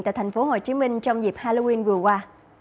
tại thành phố hồ chí minh trong dịp halloween vừa qua